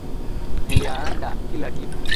Nilianda kila kitu.